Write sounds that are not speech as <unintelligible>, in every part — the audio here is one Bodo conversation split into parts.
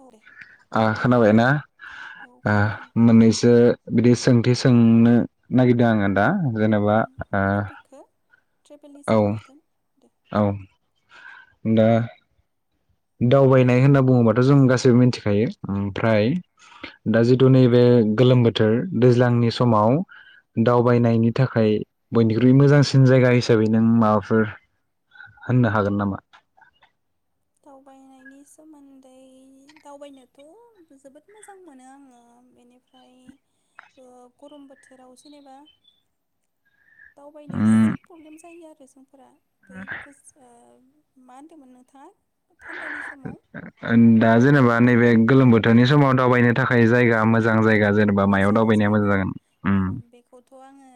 औ दे ओ खोनाबायना औ ना खोनादों मोननैसो बिदि सों बिदि सोंनो नागिरदों आङो दा जेनेबा आं ओ टपिकखौ ट्रेभेलनि सायाव औ लागोन दे। औ दा। दावबायनाय होनना बुङोबाथ' जों गासैबो मिथिखायो ओमफ्राय दा जिथु नैबे गोलोम बोथोर दैज्लांनि समाव दावबायनायनि थाखाय बयनिख्रुइ मोजांसिन जायगा हिसाबै नों माबाफोर होननो हागोन नामा। दावबायनायनि सोमोन्दै दावबायनोथ' जोबोद मोजां मोनो आङो बेनिफ्राय गरम बोथोराव जेनेबा दावबायनो उम एसे प्रब्लेम जायो आरो। फोरा बै गोस ओ मा होनदोंमोन नोंथांआ। दा जेनेबा बहत नैबे गोलोम बो थोरनि समाव दावबायनो थाखाय जायगा मोजां जाय मोजां जायगा बेखौथ' आङो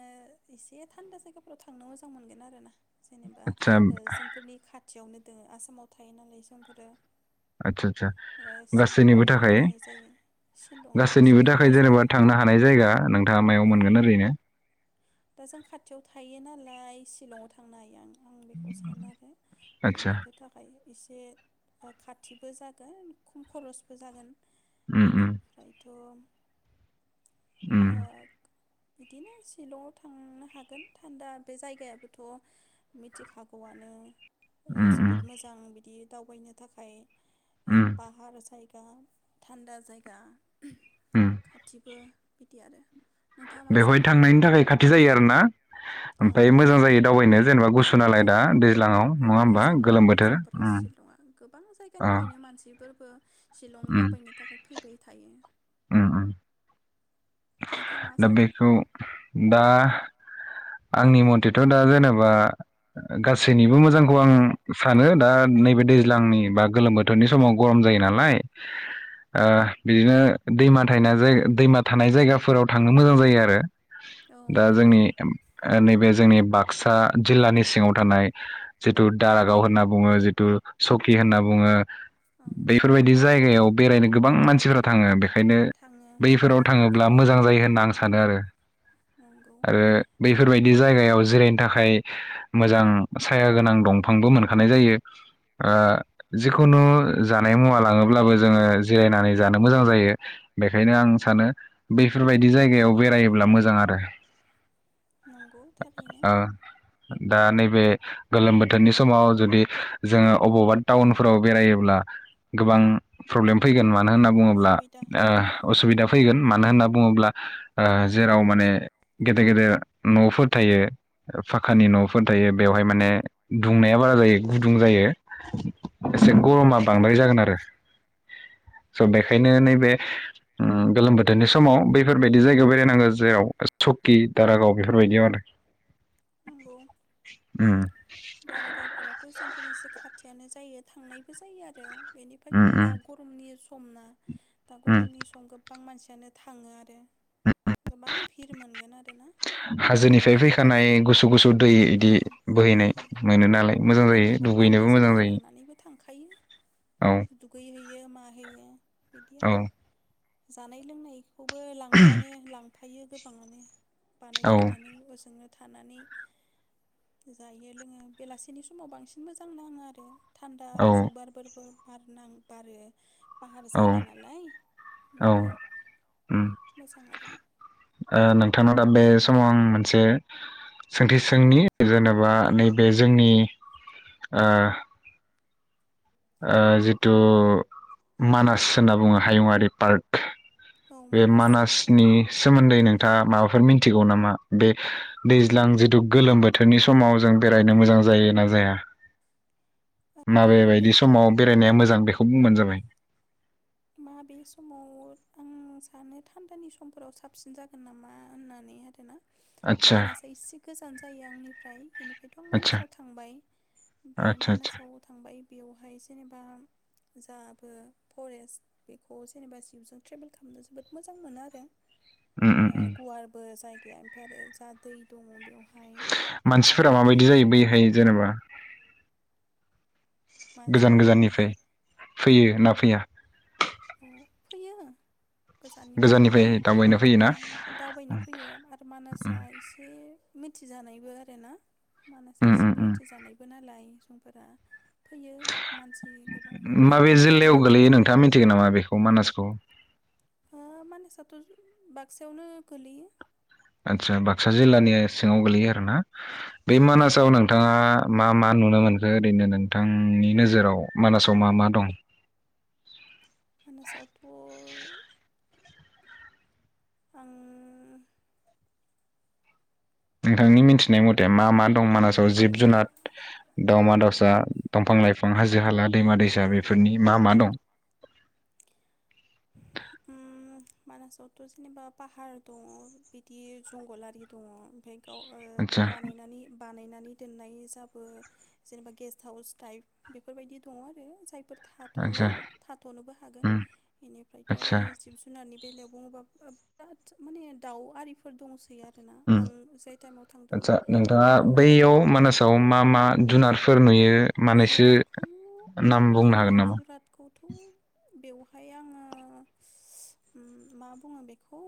एसे थान्दा जायगाफोराव थांनो मोजां मोनगोन आरो ना। जेनेबा आदसा ओ जोंफोरनि खाथियावनो। दङ आसामाव थायो नालाय जोंफोरो। आदसा आदसा ओ गासैनिबो सिलंआवनो थांबाय थाखाय थानाय जायो शिलंआव एसे गासैनिबो थाखाय थान्दा जेनेबा जायो थांनो हानाय जायगा नोंथाङा मायाव औ मोनगोन ओरैनो। दा जों खाथियाव थायो नालाय सिलंआव थांनो हायो आं। आं बेखौ सानो आरो आदसा बयनिबो थाखाय। एसे खाथिबो जागोन खम खरसबो जागोन। उम उम बेनिफ्राय। <unintelligible> उम। बिदिनो सिल' थांनो हागोन थान्दा बे जायगायाबोथ' मिथिखागौआनो। ओ उम उम जोबोद मोजां बिदि। दावबायनो थाखाय। उम पाहार साइ गा थान्दा जायगा। उम खाथिबो। बिदि आरो नोंथाङा मा बेवहाय सानो थांनायनि थाखाय खाथि जायो ना। औ ओमफाय मोजां जायो दावबायनो। जेनेबा गुसु नालाय औ दा दैज्लाङाव नङा होमबा मोजांबो गोलोम आरो बोथोर जोंफोर उम शिलंआ गोबां अ जायगानिफ्रायनो मानसिबो बो शिलं दावबायनो थाखाय फैबाय थायो। उम-उम नोंथाङा मा दा सानो बेखौ दा आंनि मथेथ' दा जेनेबा गासैनिबो मोजांखौ आं सानो दा नैबे दैज ज्लांनि बा गोलोम बोथोरनि समाव गरम जायो नालाय ओ बिदिनो दैमा थायना जायगायाव दैमा थानाय जायगाफोराव थांनो मोजां जायो आरो। औ दा बेबो जोंनि ओम ओ नैबे जोंनि बाक्सा जिल्लानि सिङाव थानाय जिथु दारागाव होनना बुङो जिथु सकि होनना बुङो। औ बेफोरबायदि जायगायाव बेरायनो गोबां मानसिफोरा थाङो बेख खायनो थाङो बैफोराव दाथ' थाङोब्ला गोबां मोजां थाङो जायो आं सानो आरो नंगौ आरो दा बैफोरबायदि जायगायाव जो जिरायनो थाखाय मोजां साया गोनां दंफांबो मोनखानाय जायो ओ जिखुनु जानाय मुवा लाङोब्लाबो जोङो जिरायनानै जानो मोजां जायो बेखायनो आं सानो बैफोरबायदि दि जायगायाव बेरायोब्ला मोजां आरो। नंगौ थारैनो ओ दा नैे बे गोलोम बोथोरनि समाव जुदि जोङो अबावबा टाउनफोराव बेरायोब्ला गोबां प्रब्लेम फैगोन ना नो होनना बुङोब्ला असुबिदा असुबिदा फैगोन मानो होनना बुङोब्ला ओ जेराव माने गेदेर-गेदेर न'फोर थायो फाखानि न'फोर थायो बेवहाय माने दुंनाया बारा जायो गुदुं जायो एसे गरमा बांद्राय जागोन आरो स' बेखायनो नैबे ओम गोलोम बोथोरनि समाव बे फोरबायदि जायगायाव बेरायनांगौ जेराव सकि दारागाव बेफोरबायदियाव आरो नंगौ उम दारागावफोराथ' जोंफोर एसे खाथियानो जायो थांनायबो जायो आरो उम बेनिफ्रायथ' दा उम गरमनि समना दा उम गरमनि सम गोबबां मानसि यानो थाङो आरो ओम-ओम गोबां भिर मोनगोन आरोना हाजोनिफ्राय बेनिफ्राय फैखानाय गुसु-गुसु दै इदि औ बोहैनाय। औ मोनो नालाय मोजां गावबा जायो गाव दुगैनोबो गाननाय मोजां जोमनाय जायो लानानैबो थां खायो। औ दुगै होयो हैयो माहैयो। बिदि औ आरो जानाय लोंनाय खौबो लांफानो लांफा यो गोबाङानो औ बानायखानानै हजोंनो थानानै जायो लोङो बेलासिनि समाव बांसिन मोजां नाङो आरो थान्दा औ गुसुुबारबोरबो बारनां बारो पाहार औ जायगा नालाय औ बिदि उम मोजां आरो ओ नोंथांनाव दा बे समाव आं मोनसे सोंथि सोंनि जेनेबा नैबे जोंनि ओ औ ओ जिथु मानास होनना बुङो हायुङारि पार्क औ बे मानास मानासनि सोमोन्दै नोंथाङा माबाफोर मिनथिगौ नामा बे दैज्लां जिथु गोलोम बोथोरनि समाव जों बेरायनो मोजां जायो ना जाया? माबे बायदि बेखौ बेरायनाया मोजां बेखौ बुंबानो जाबाय। माबे समाव आं सानो थान्दानि समफोराव साबसिन जागोन नामा होननानै आरो ना। आदसा मानासा इससे गोजान जायो आंनिफ्राय ओमफायथ' आं आदसा मानासाव थांबाय ओमफ्राय आदसा आदसा मानासाव थांबाय बेवहाय जेनेबा जा बो फरेस्ट बेखौ जेनेबा जिबजों ट्रेभेल खालामनो जोबोद मोजां मोनो आरो। उम उम ओ उम गुवारबो जाय गाया ओमफ्राय आरो जा दै दङ बेयाव मानसिफोरा माबायदि जायो बैहाय जेनेबा गोजान मानसिफोरा माबायदि गोजाननिफ्राय फैयो ना फैया? औ फैयो। गोजाननिफ्राय फैयो दावबायनो फैयोना ओ दावबायनो फैयो आरो उम मानासआ एसे मिथिजानायबो आरो ना? मानासा उम एसे उम मिथिजानायबो नालाय सुबुंफोरा फैयो मानसि गोबां माबे नायनोबो समायना जिल्लायाव गोलैयो नालाय नोंथाङा मिथिगोन नामा बे मानासखौ? ओ मानासाथ' बाक्सायावनो गोलैयो। आदसा बाक्सा जिल्लानि सिङाव गोलैयो आरो ना बे मानासाव नोंथाङा मा मा नुनो मोनखो ओरैनो नोंथांनि नोजोराव मानासाव मा मा दं? मानासावथ' आं नोंथांनि मिथिनाय मथे मा मा दं मानासाव जिब जुनार, दावमा दावसा, दंफां लाइफां, हाजो हाला दैमा दैसा बेफोरनि मा मा दं? उम मानासावथ' जेनेबा पाहार दङ बिदि जंगल आरि दङ ओमफ्राय गाव ओ आदसा बानायनानै बानाय नानै दोन्नाय जाबो जेनेबा गेस्त हाउस टाइप बेफोरबायदि दङ आरो जायफोर थाथ'नो आदसा थाथ'नोबो हागोन उम बेनिफ्रायथ' आरो आतसा जिब जुनारनि बेलायाव बुङोबा ओब बिराद माने दाउ आरिफोर दंसै आरो उम आतसा नोंथाङा आङो बैयाव मानासाव मा मा जुनार फोर नुयो मानैसो जुनादखौ नाम ओ बुंनो हागोन नामा जुनादखौ थ' बेवहाय आङो उम मा बुङो बेखौ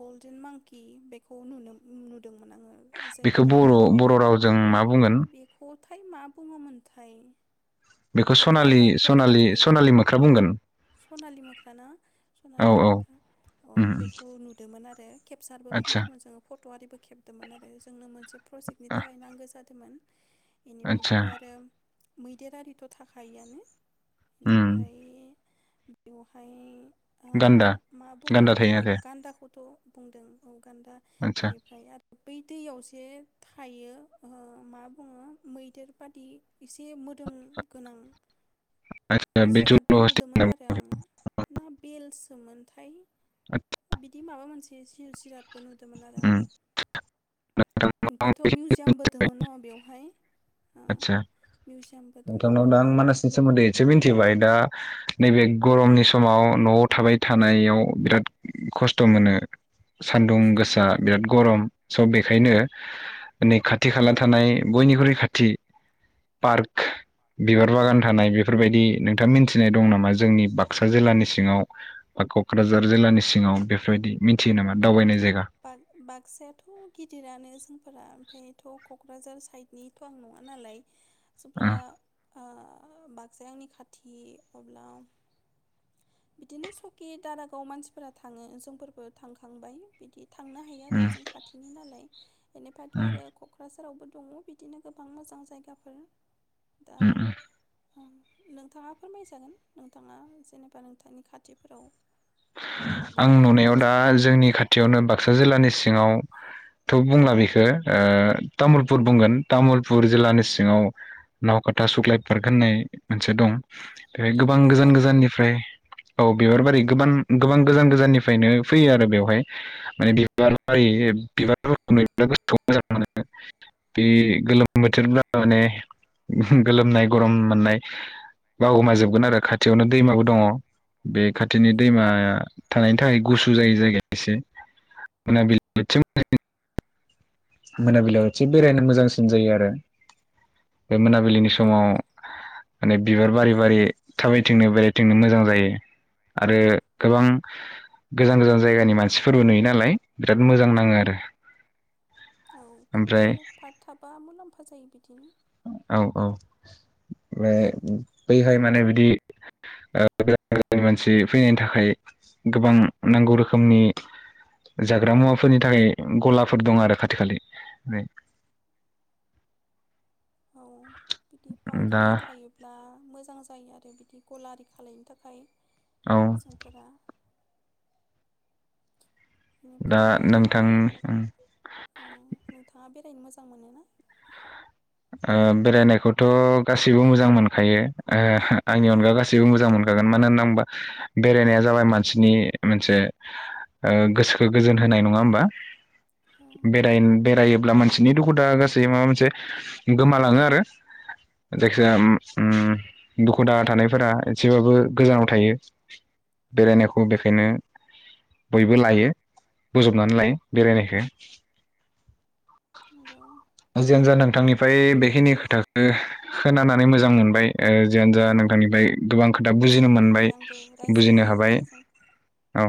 गल्डेन मांकि बेखौ नुनो नु दोंमोन आङो जाय बेखौ टाइमाव बर' बर' थांदोंमोन रावजों मा बुंगोन बेखौ थाय मा बुङो मोनथाय बेखौ ओमफाय सनालि गान्दाथ' सनालि थाखायो सनालि मोख्रा बुंगोन सनालि मोख्रा ना औ सनालि औ मोख्रा अ उम बेखौ नुदोंमोन आरो केपसारबो आतसा खामदोंमोन जोङो फट'आरिबो खेबदोंमोन आरो जोंनो मोनसे प्रजेक्टनि थाखाय नांगो जादोंमोन। बेनिफ्रायथ' आतसा आरो मैदेर आरिथ' थाखायोआनो। उम बेनिफाय बेवहाय ओ गान्दा मा गान्दा बुंगोन थायो आरो गान्दाखौथ' बुंदों औ। गान्दा आतसा बेनिफ्राय आर बै दैयावसो थायो ओ मा बुङो मैदेर बादि एसे मोदोम गोनां आतसा बे जिरादबो जल' नुदोंमोन हस्टिं आरो आङो ना बेलसोमोनथाय बिदि माबा मोनसे जिउजिराद बोनुदोंमोन आरो आंङो ओमफ्रायथ' मिउजियामबो दोङ न' बेवहाय मिउजियामबो द बेवहाय मानासनि सोमोन्दै एसे मिथिबाय दा नैबे गरमनि समाव न'आव थाबाय थानायाव बिराद खस्थ' मोनो सान्दुं खस्थ' गोसा मोनो बिराद गरम सबित बेखायनो नै खाथि खाला थानाय बयनिख्रुइ खाथि पार्क बिबार बागान थानाय बेफोरबायदि नोंथाङा मिथिनाय दं नामा जोंनि बाक्सा जिल्लानि सिङाव बा क'क्राझार जिल्लानि सिङाव बेफोरबायदि मिथियो नामा दावबायनाय जायगा बाग बाागसायाथ' गि दिरानो जोंफोरा ओमफ्रायथ' क'क्राझार साइडनिथ' आं नङा नालाय उम जोंफोरा ओ बाक्साया आंनि खाथि अब्ला बिदिनो सकि दारागाव मानसिफोरा थाङो जोंफोरबो थांखांबाय बिदि थांनो हायो आरो उम जों खाथिनि नालाय इनिफायथ' उम आरो क'क्राझारावबो दङ बिदिनो गोबां मोजां जायगाफोर दा उम उम नोंथाङा फोरमायजागोन नोंथाङा जेनेबा नोंथांनि खाथिफोराव आं बहा नुनायाव दा मोजां मोनो जोंनि खाथियावनो बाग क्सा जिल्लानि सिङावथ' बुंला बेखौ तामुलपुर बुंगोन तामुलपुर जिल्लानि सिङाव नावकाथा सुख्लायट पार्क होननाय मोनसे दं बेथ' गोबां बिबार गोजान बारि गोजाननिफ्राय औ बिबार बारि गोबां गोबां गोजान गोजाननिफ्रायनो फैयो आरो बेवहाय माने बिबार बारि बिबार फोरखौ नुयोब्ला गोसोखौ मोजां मोनो। बे गोलोम बोथोरब्ला माने गोलोमनाय गरम मोननाय बावगोमाम जोबगोन आरो खाथियावनो दैमाबो दङ। बे खाथिनि दैमा थानायनि थाखाय गुसु जायो जायगाया एसे मोनाबिलियाव मोनाबिलियाव एसे बेरायनो मोजांसिन जायो आरो बे मोनाबिलिनि स माव। माने बिबार बारि बारि थाबायथिंनो बेरायथिंनो मोजां जायो आरो गोबां गोजान गोजान जायगानि मानसिफोरबो नुयो नालाय बिराद मोजां नाङो आरो। औ ओमफ्राय खाथियाव पार्क थाबा मुलाम्फा जायो बिदिनो। औ औ माने बैहाय मा ने बिदि गोदान गोदान मानसि फैनायनि थाखाय गोबां नांगौ रोखोमनि जाग्रा मुवाफोरनि थाखाय गलाफोर दं आरो खाथि खालि औ बिदि पार्क दा गारि थायोब्ला मोजां जायो आरो बि दि गला आरि खालायनो थाखाय औ जायफोरा दा बेनिफ्राय नोंथां औ नोंथाङा बेरायनो मो ओ बेरायनायखौथ' गाससिबो मोजां मोनखायो ओ औ आंनि अनगा गासिबो मोजां मोनो मानो होनना होनबा बेरायनाया जाबाय मानसिनि मोनसे ओ गोसोखौ गोजोन होनाय नङा होमबा औ बेराय नंगौ बेरायोब्ला मानसिनि दुखु दाहा गा सि माबा मोनसे गोमालाङो आरो औ जायखिया ओ ओम दुखु दाहा थानायफोरा एसेबाबो गोजानाव थायो बेरायनायखौ बेखायनो बयबो लायो बोजबनानै लायो बेरायनायखो नोंगौ जियानोजा नोंथांनिफ्राय बेखिनि खोथाखो खोनानानै मोजां मोनबाय ओ जियानो जा औ नोंथांनिफ्राय गोबां खोथा बुजिनो मोजां मोनबाय नांबाय आंबो बुजिनो रायज्लायना हाबाय नोंथांजों औ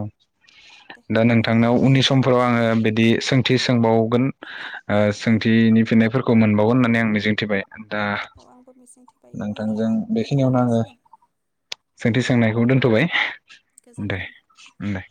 दे दा उननि आयदायाव नोंथांनाव लोगो उननि समफोराव आङो मोनफिनसिगोन बिदि सोंथि सोंबावगोन ओ सों थिनि फिननायफोरखौ मोनबावोन होननानै आं मिजिंथिबाय दा औ आंबो मिजिं थिबाय नोंथांजों उननियाव लोगो बेखिनियावनो आङो मोनलायसिगोन सोंथि सोंनायखौ दोन्थ'बाय दे गोजोन्थों दे